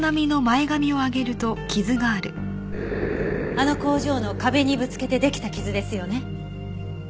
あの工場の壁にぶつけてできた傷ですよね？